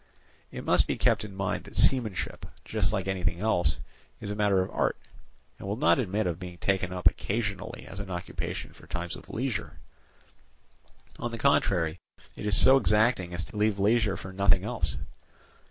It must be kept in mind that seamanship, just like anything else, is a matter of art, and will not admit of being taken up occasionally as an occupation for times of leisure; on the contrary, it is so exacting as to leave leisure for nothing else.